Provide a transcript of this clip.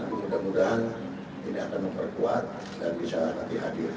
mudah mudahan ini akan memperkuat dan bisa nanti hadir